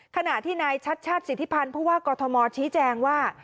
ขณะที่นายชัดชาติสิทธิพันธ์ผู้ว่ากอทมชี้แจงว่า